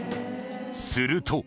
すると。